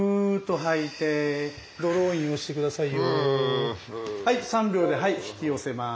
はい３秒で引き寄せます。